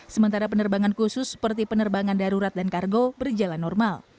sementara penerbangan khusus seperti penerbangan darurat dan kargo berjalan normal